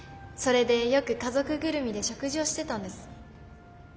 それでよく家族ぐるみで食事をしてたんです。